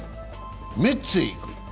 メッツへ行く。